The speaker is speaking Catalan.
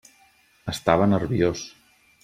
Estava nerviós.